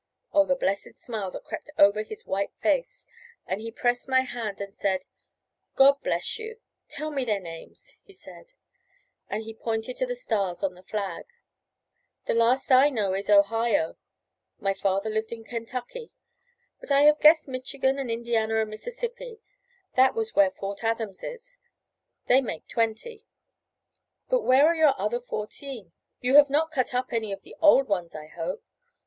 Oh, the blessed smile that crept over his white face! and he pressed my hand and said, "God bless you! Tell me their names," he said, and he pointed to the stars on the flag. "The last I know is Ohio. My father lived in Kentucky. But I have guessed Michigan and Indiana and Mississippi that was where Fort Adams is they make twenty. But where are your other fourteen? You have not cut up any of the old ones, I hope?"